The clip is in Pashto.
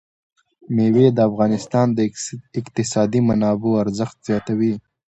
مېوې د افغانستان د اقتصادي منابعو ارزښت زیاتوي.